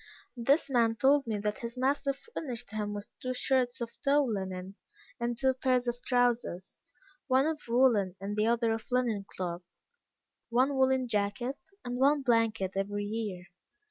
This man told me that his master furnished him with two shirts of tow linen, and two pair of trowsers, one of woollen and the other of linen cloth, one woollen jacket, and one blanket every year.